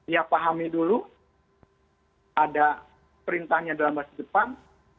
ya pahami dulu ada perintahnya dalam bahasa jepang